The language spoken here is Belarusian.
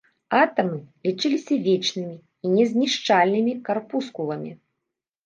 Атамы лічыліся вечнымі і незнішчальнымі карпускуламі.